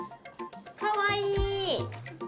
かわいい。